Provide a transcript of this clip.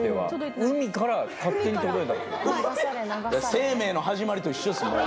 生命の始まりと一緒ですもう。